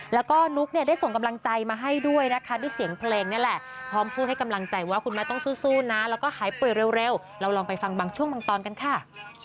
แล้วก็นุ๊กเนี่ยได้ส่งกำลังใจมาให้ด้วยนะคะด้วยเสียงเพลงนี่แหละพร้อมพูดให้กำลังใจว่าคุณแม่ต้องสู้นะแล้วก็หายป่วยเร็วเราลองไปฟังบางช่วงบางตอนกันค่ะ